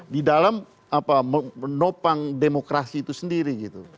didalam nopang demokrasi itu sendiri gitu